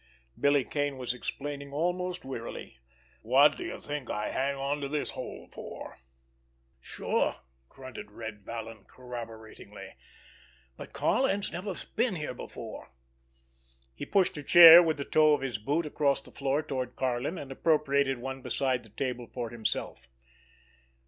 Billy Kane was explaining almost wearily. "What do you think I hang onto this hole for?" "Sure!" grunted Red Vallon corroboratingly. "But Karlin's never been here before." He pushed a chair with the toe of his boot across the floor toward Karlin, and appropriated one beside the table for himself.